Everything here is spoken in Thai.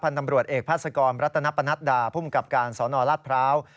ผันตำรวจเอกพาสกรรถนพนัดพุมการสนอรัฐพราว